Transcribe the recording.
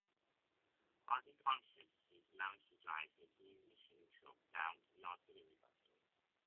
Hardly conscious he managed to drive his munition truck down to the artillery battery.